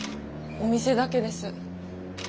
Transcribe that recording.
お店だけです。